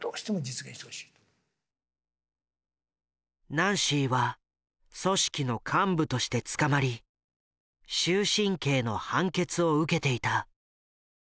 ナンシーは組織の幹部として捕まり終身刑の判決を受けていた。